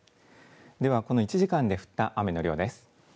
ではこの１時間で降った雨の量です。